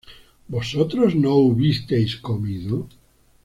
¿vosotros no hubisteis comido?